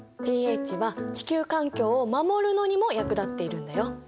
ｐＨは地球環境を守るのにも役立っているんだよ。